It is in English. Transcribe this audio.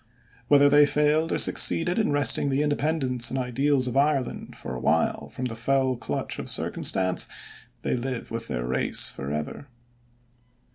Whether they failed or succeeded in wresting the independence and ideals of Ireland for a while from the fell clutch of circumstance, they live with their race forever.